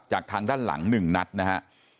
ทางด้านหลัง๑นัดนะฮะ